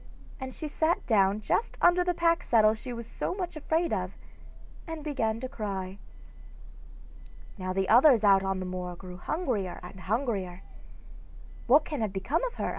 and she sat down just under the pack saddle she was so much afraid of, and began to cry. Now the others out on the moor grew hungrier and hungrier. 'What can have become of her?